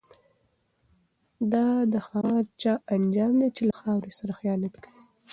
دا د هغه چا انجام دی چي له خاوري سره خیانت کوي.